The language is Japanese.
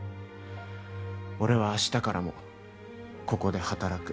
俺は明日からもここで働く。